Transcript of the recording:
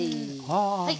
はい。